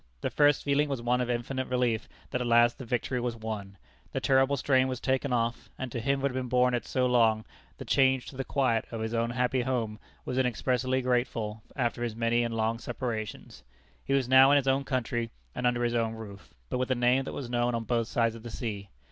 The first feeling was one of infinite relief that at last the victory was won. The terrible strain was taken off, and to him who had borne it so long, the change to the quiet of his own happy home was inexpressibly grateful after his many and long separations. He was now in his own country and under his own roof, but with a name that was known on both sides of the sea.